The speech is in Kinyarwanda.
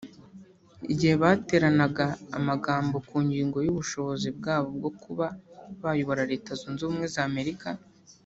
igihe bateranaga amagambo ku ngingo y'ubushobozi bwabo bwo kuba bayobora Leta Zunze Ubumwe za Amerika